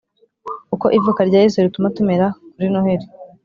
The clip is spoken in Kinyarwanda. Uko ivuka rya Yesu rituma tumera kuri noheri